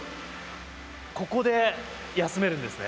ここで休めるんですね？